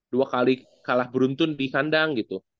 dua kali kalah beruntun di handang gitu